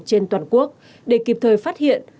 trên toàn quốc để kịp thời phát hiện